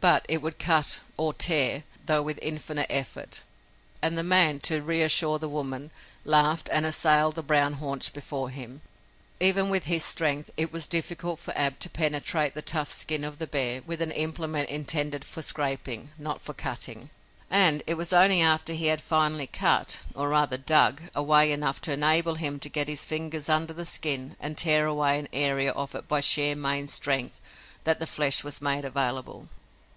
But it would cut or tear, though with infinite effort, and the man, to reassure the woman, laughed, and assailed the brown haunch before him. Even with his strength, it was difficult for Ab to penetrate the tough skin of the bear with an implement intended for scraping, not for cutting, and it was only after he had finally cut, or rather dug, away enough to enable him to get his fingers under the skin and tear away an area of it by sheer main strength that the flesh was made available.